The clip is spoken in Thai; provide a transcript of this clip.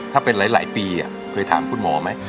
ถ้าเป็นหลายปีเคยถามคุณหมอไหม